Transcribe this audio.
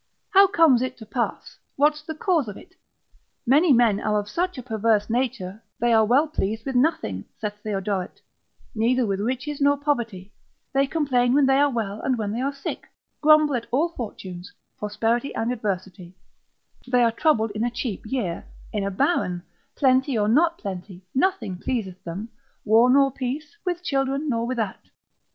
how comes it to pass, what's the cause of it? Many men are of such a perverse nature, they are well pleased with nothing, (saith Theodoret,) neither with riches nor poverty, they complain when they are well and when they are sick, grumble at all fortunes, prosperity and adversity; they are troubled in a cheap year, in a barren, plenty or not plenty, nothing pleaseth them, war nor peace, with children, nor without.